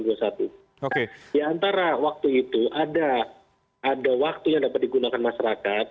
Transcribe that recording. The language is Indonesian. nah antara waktu itu ada waktu yang dapat digunakan masyarakat